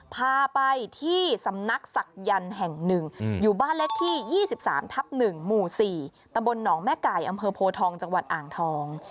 พาไปที่สำนักศักยันต์แห่งหนึ่งอยู่บ้านเลขที่๒๓ทับ๑หมู่๔ตำบลหนองแม่ไก่อำเภอโพทองจังหวัดอ่างทอง